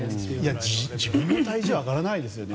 自分の体重上がらないですよ。